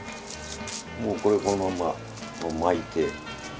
もうこれこのまんま巻いて。